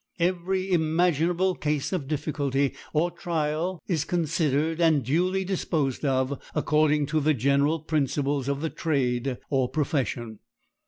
Every imaginable case of difficulty or trial is considered and duly disposed of according to the general principles of the trade or profession.